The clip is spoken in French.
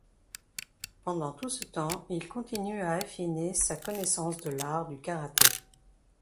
Pendant tout ce temps, il continue à affiner sa connaissance de l'art du Karaté.